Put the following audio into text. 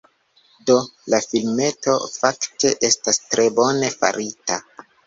Do, la filmeto fakte estas tre bone farita